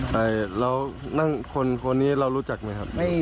แล้วคนนี้เรารู้จักไหมครับ